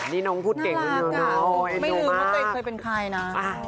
นี่น้องพูดเก่งนิดน่ารักอ่ะไม่ลืมว่าตัวเองเคยเป็นใครนะ